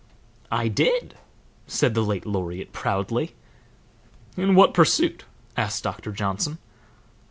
"I did," said the late laureate, proudly. "In what pursuit?" asked Doctor Johnson.